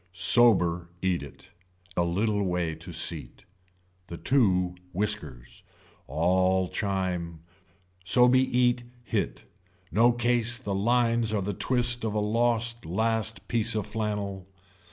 Sober eat it, a little way to seat. The two whiskers. All chime. So be eat hit. No case the lines are the twist of a lost last piece of flannel.